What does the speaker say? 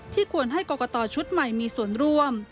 ควรให้กรกตชุดใหม่มีส่วนร่วม